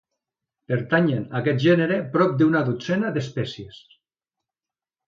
Pertanyen a aquest gènere prop d'una dotzena d'espècies.